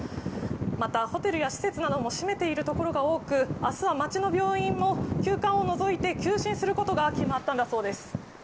また、ホテルや施設なども閉めている所が多く、あすは町の病院も急患を除いて、休診することが決まったんだそうです。